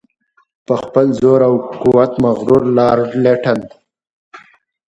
په خپل زور او قوت مغرور لارډ لیټن.